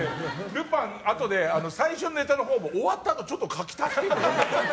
あとで最初のネタのほうも終わったのをちょっと書き足してたから。